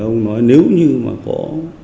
ông nói nếu như mà có